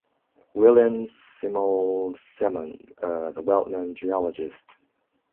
William Samuel Symonds, the well-known geologist.